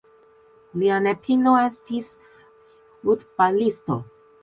Lia nepino estis futbalisto.